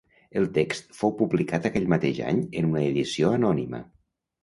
El text fou publicat aquell mateix any en una edició anònima.